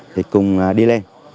thì cùng đi lên